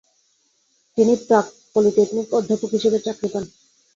তিনি প্রাগ পলিটেকনিকে অধ্যাপক হিসেবে চাকরি পান।